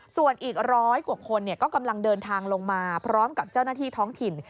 ส่วนอีกร้อยกว่าคนก็กำลังเดินทางลงมาพร้อมกับเจ้าหน้าที่ท้องถิ่น